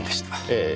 ええ。